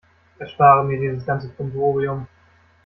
Erspare mir dieses ganze Brimborium!